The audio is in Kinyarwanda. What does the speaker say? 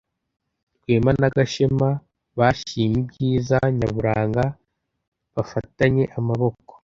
Rwema na Gashema bashimye ibyiza nyaburanga bafatanye amaboko.